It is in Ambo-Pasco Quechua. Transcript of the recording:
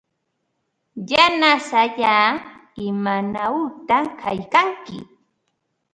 Yanasallaa, ¿imanawta kaykanki?